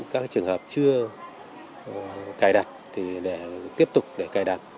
các trường hợp chưa cài đặt để tiếp tục để cài đặt